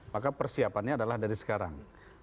maka persiapannya adalah dari sekarang